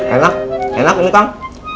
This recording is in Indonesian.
enak enak ini kang